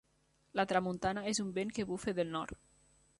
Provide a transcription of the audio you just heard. La tramuntana és un vent que bufa del nord.